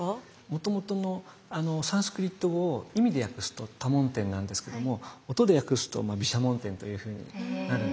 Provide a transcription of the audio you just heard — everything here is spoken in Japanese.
もともとのサンスクリット語を意味で訳すと多聞天なんですけども音で訳すと毘沙門天というふうになるんですね。